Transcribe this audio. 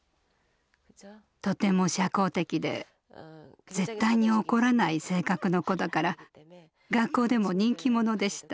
とても社交的で絶対に怒らない性格の子だから学校でも人気者でした。